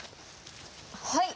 はい！